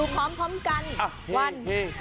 ดูพร้อมกัน๑๒๓